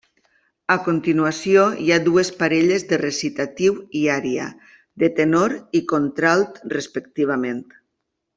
A continuació hi ha dues parelles de recitatiu i ària, de tenor i contralt, respectivament.